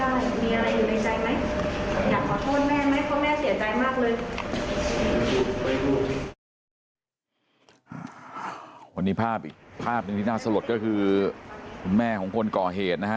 วันนี้ภาพอีกภาพหนึ่งที่น่าสลดก็คือคุณแม่ของคนก่อเหตุนะฮะ